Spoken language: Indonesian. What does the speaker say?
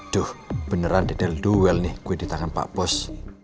duh beneran detail duel nih kue di tangan pak bos